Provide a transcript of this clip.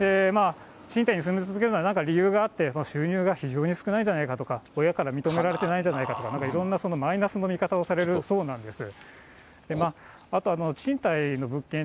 賃貸に住み続けるのは、なんか理由があって、収入が非常に少ないんじゃないかとか、親から認められてないんじゃないかとか、なんかいろいろ、マイナスの見方をされるそうなんです。